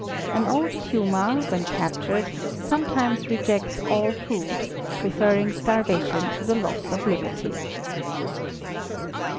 An old puma, when captured, sometimes rejects all food, preferring starvation to the loss of liberty.